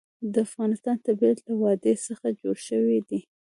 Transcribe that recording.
د افغانستان طبیعت له وادي څخه جوړ شوی دی.